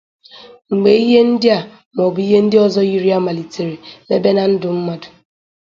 Mgbe ihe ndị a maọbụ ihe ndị ọzọ yiri ha màlitere mebe na ndụ mmadụ